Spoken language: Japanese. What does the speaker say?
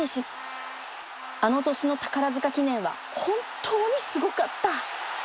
あの年の宝塚記念は本当にすごかった